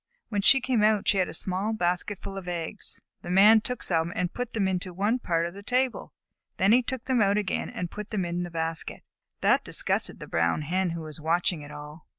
When she came out she had a small basketful of eggs. The Man took some and put them into one part of the table. Then he took them out again and put them into the basket. That disgusted the Brown Hen, who was watching it all.